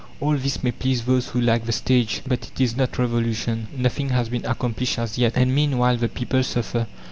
All this may please those who like the stage, but it is not revolution. Nothing has been accomplished as yet. And meanwhile the people suffer.